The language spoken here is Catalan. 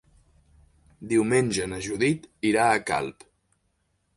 Diumenge na Judit irà a Calp.